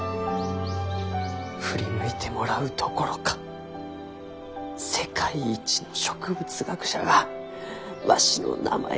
振り向いてもらうどころか世界一の植物学者がわしの名前を付けてくださったがじゃ。